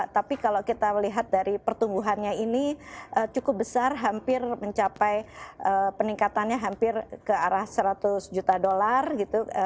tapi kalau kita melihat dari pertumbuhannya ini cukup besar hampir mencapai peningkatannya hampir ke arah seratus juta dolar gitu